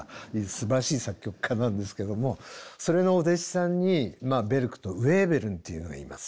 すばらしい作曲家なんですけどもそれのお弟子さんにベルクとヴェーベルンというのがいます。